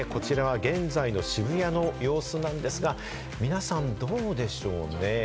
こちらは現在の渋谷の様子なんですが、皆さんどうでしょうね。